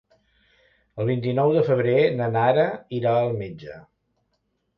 El vint-i-nou de febrer na Nara irà al metge.